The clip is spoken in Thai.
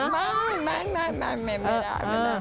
ไม่ไม่ไม่ได้ไม่ได้